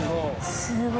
すごい。